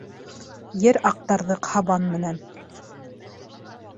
Ер актарҙык һабан менән